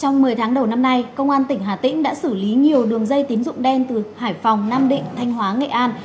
hôm nay công an tỉnh hà tĩnh đã xử lý nhiều đường dây tín dụng đen từ hải phòng nam định thanh hóa nghệ an